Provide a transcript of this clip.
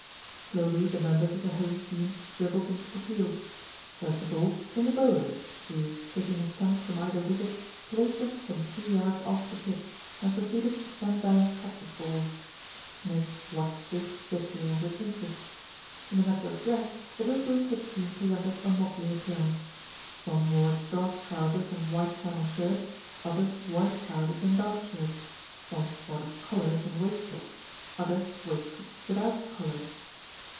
Slowly the members of the home team dribbled into the field. First of all came the bowlers, who, taking a stump from either wicket, placed them some two yards off the pitch, and proceeded to send down practice balls. Smith watched this ritual with interest. In the matter of dress, the Little Bilstead team pre sented a motley appearance. Some wore dark trousers and white flannel shirts, others white trousers and dark shirts; some sported collars and waistcoats, others waistcoats without collars.